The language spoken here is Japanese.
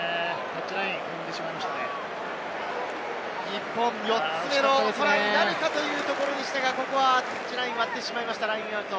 日本４つ目のトライになるかというところでしたが、ここはタッチラインを割ってしまいました。